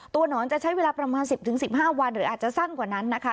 หนอนจะใช้เวลาประมาณ๑๐๑๕วันหรืออาจจะสั้นกว่านั้นนะคะ